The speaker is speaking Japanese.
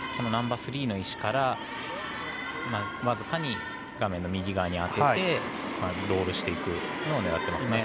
ナンバースリーの石から僅かに画面の右側に当ててロールしていくのを狙ってます。